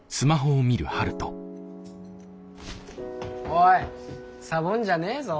おいサボんじゃねえぞ。